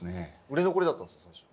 売れ残りだったんですよ最初。